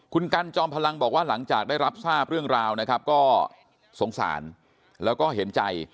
คุณกันจอมพลังบอกว่าหลังจากได้รับทราบเรื่องราวนะครับก็สงสารแล้วก็เห็นใจ